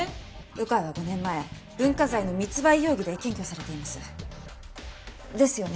鵜飼は５年前文化財の密売容疑で検挙されています。ですよね？